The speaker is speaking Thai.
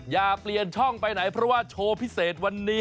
อย่าเปลี่ยนช่องไปไหนเพราะว่าโชว์พิเศษวันนี้